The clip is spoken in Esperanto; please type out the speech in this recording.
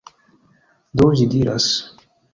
Do, ĝi diras: